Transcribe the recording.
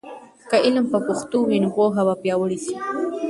که علم په پښتو وي، نو پوهه به پیاوړې سي.